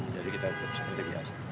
jadi kita tetap seperti biasa